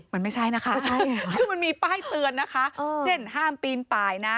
มันไม่ใช่นะคะคือมันมีป้ายเตือนนะคะเช่นห้ามปีนป่ายนะ